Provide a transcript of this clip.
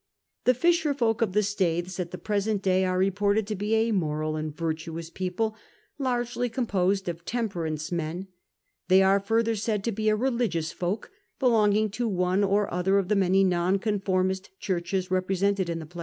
The fisher folk of the Staithes at the ])resent day ai>e reported to be a moral and virtuous people, largely com posed of temperance men; they are further said to be* a religious folk l)eloiigiiig to one or other of the many nonconformist Churches represented in the ])lac